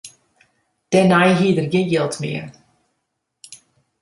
Dêrnei hie er gjin jild mear.